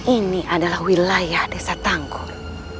ini adalah wilayah desa tangkur